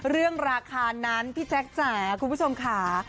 เรื่องราคานั้นพี่แจ๊คจ๋าคุณผู้ชมค่ะ